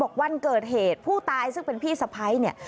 วันเกิดเหตุผู้ตายซึ่งเป็นพี่สะพ้ายเนี่ย